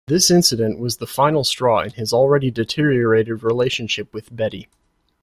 This incident was the final straw in his already deteriorated relationship with Betty.